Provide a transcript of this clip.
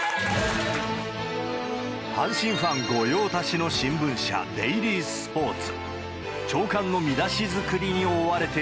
阪神ファン御用達の新聞社、デイリースポーツ。